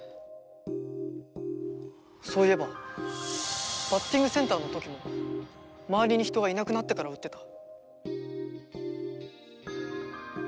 そういえばバッティングセンターの時も周りに人がいなくなってから打ってた。